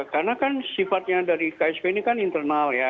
karena kan sifatnya dari ksp ini kan internal ya